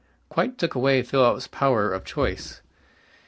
quite took away Philip's power of choice.